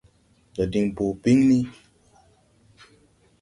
Ndɔ diŋ bɔɔ biŋni.